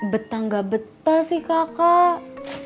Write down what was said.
betah nggak betah sih kakak